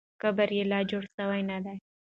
قبر یې لا جوړ سوی نه دی.